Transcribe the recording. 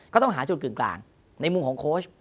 ก็ต้องหาจุดกึ่งกลางในมุมของโค้ช